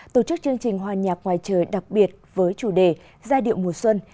tổ chức chương trình hòa nhạc ngoài trời đặc biệt với chủ đề giai điệu mùa xuân